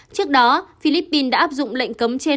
trước đó philippines đã áp dụng lệnh cấm trên